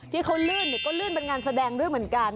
ที่เขาลื่นก็ลื่นเป็นงานแสดงด้วยเหมือนกัน